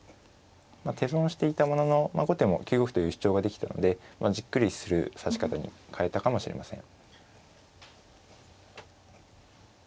手損していたものの後手も９五歩という主張ができたのでじっくりする指し方に変えたかもしれません。